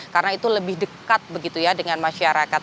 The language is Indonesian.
karena itu lebih dekat begitu ya dengan masyarakat